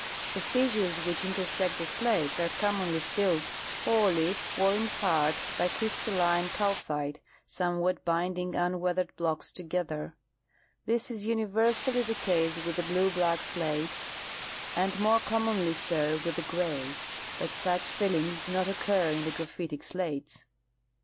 The fissures Avhich intersect the slates are commonly filled, wholly or in part, by crystalline calcite, somewhat binding un weathered blocks together. This is universally the case with the blue black slates, and more commonly so with the gray ; but such fillings do not occur in the graphitic slates.